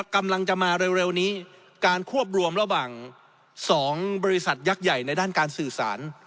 กำลังจะมาเร็วนี้การควบรวมระหว่าง๒บริษัทยักษ์ใหญ่ในด้านการสื่อสาร